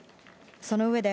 その上で、